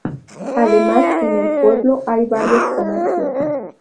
Además en el pueblo hay varios comercios.